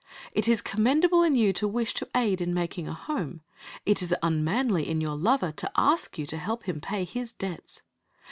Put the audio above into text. It is commendable in you to wish to aid in making a home. It is unmanly in your lover to ask you to help him pay his debts.